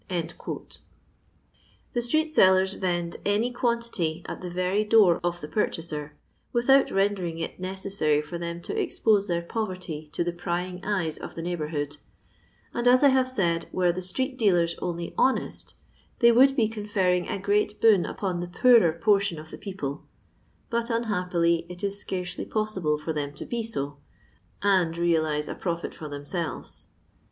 The ftreet felUrf rend any quantity at the very door of the purchaser, without rendering it necessary for them to expose their poverty to the prying eyes of the neighbourhood ; and, as I have said were the street dealers only honest, they would be confurring a great boon upon the poorer portion of the people, but nnhappiljr it is scarcely possible for them to be so, and realise a profit for themselves.